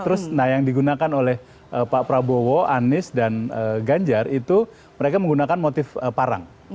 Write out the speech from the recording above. terus nah yang digunakan oleh pak prabowo anies dan ganjar itu mereka menggunakan motif parang